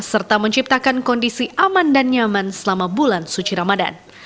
serta menciptakan kondisi aman dan nyaman selama bulan suci ramadan